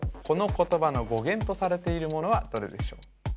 この言葉の語源とされているものはどれでしょう